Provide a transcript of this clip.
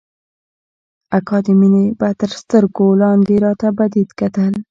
د اکا مينې به تر سترگو لاندې راته بدبد کتل.